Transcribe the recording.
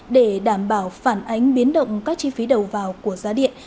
để đảm bảo phản ánh biến động các chi phí đầu vào của giá điện